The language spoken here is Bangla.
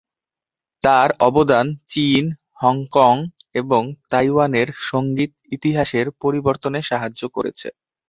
তার অবদান চীন, হংকং এবং তাইওয়ানের সঙ্গীত ইতিহাসের পরিবর্তনে সাহায্য করেছে।